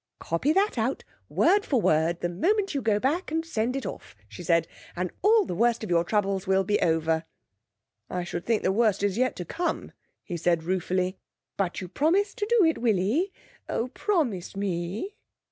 'Copy that out, word for word, the moment you go back, and send it off,' she said, 'and all the worst of your troubles will be over.' 'I should think the worst is yet to come,' said he ruefully. 'But you promise to do it, Willie? Oh, promise me?'